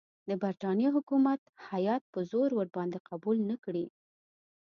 د برټانیې حکومت هیات په زور ورباندې قبول نه کړي.